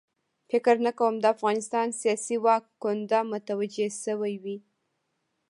فکر نه کوم د افغانستان سیاسي واک کونډه متوجه شوې وي.